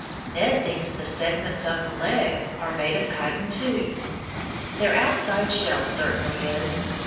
Ned thinks the segments of the legs are made of chitin too. Their outside shell certainly is.